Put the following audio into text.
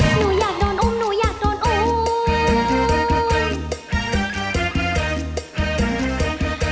หนูอยากโดนอุ้มหนูอยากโดนอุ้ม